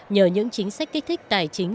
nhờ những chính sách kích thích tài chính